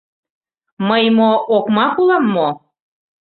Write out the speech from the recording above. Мый мо, окмак улам мо!